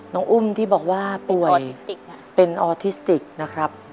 อุ้มที่บอกว่าป่วยเป็นออทิสติกนะครับ